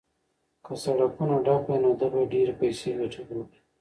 که سړکونه ډک وای نو ده به ډېرې پیسې ګټلې وای.